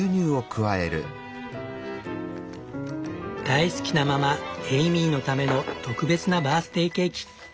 大好きなママエイミーのための特別なバースデーケーキ。